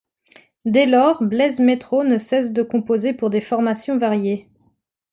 Dès lors, Blaise Mettraux ne cesse de composer pour des formations variées.